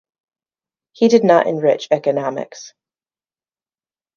He did not enrich economics.